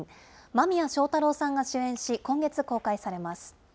間宮祥太朗さんが主演し、今月公開されます。